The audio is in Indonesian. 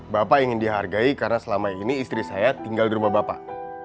bapak ingin dihargai karena selama ini istri saya tinggal di rumah bapak